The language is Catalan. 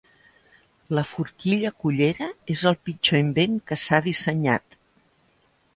La forquilla-cullera és el pitjor invent que s'ha dissenyat.